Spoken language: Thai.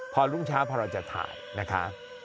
พอรุ่งเช้าพอเราจะถ่ายนะคะ